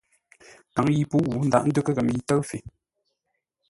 Kǎŋ yi pə̌u ə́ dǎghʼ də́ghʼə́ ghəm yi ə́ tə́ʉ fe.